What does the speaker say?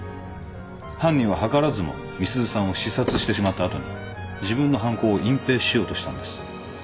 犯人は図らずも美鈴さんを刺殺してしまった後に自分の犯行を隠ぺいしようとしたんです。